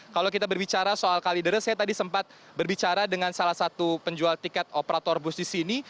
kalau kita berbicara soal kalideres saya tadi sempat berbicara dengan salah satu penjual tiket operator bus di sini